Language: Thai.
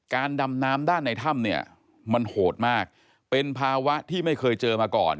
ดำน้ำด้านในถ้ำเนี่ยมันโหดมากเป็นภาวะที่ไม่เคยเจอมาก่อน